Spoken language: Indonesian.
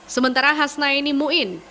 sementara hasnaini muin